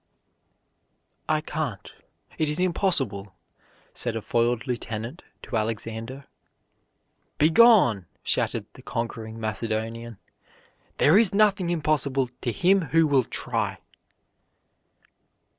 "I can't, it is impossible," said a foiled lieutenant, to Alexander. "Begone," shouted the conquering Macedonian, "there is nothing impossible to him who will try."